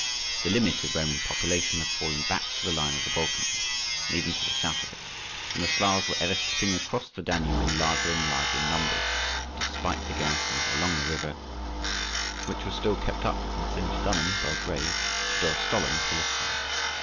The limit of Roman population had fallen back to the line of the Balkans, and even to the south of it, and the Slavs were ever slipping across the Danube in larger and larger numbers, despite the garrisons along the river which were still kept up from Singidunum [Belgrade] to Dorostolum [Silistria].